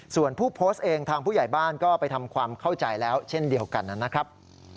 ส่วนผู้โพสต์เองทางผู้ใหญ่บ้านก็ไปทำความเข้าใจแล้วเช่นเดียวกันนะครับ